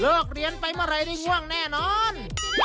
เริ่อกะเลี่ยนไปเมื่อในร่วงแน่นอน